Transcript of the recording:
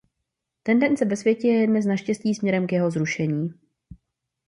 Tendence ve světě je dnes naštěstí směrem k jeho zrušení.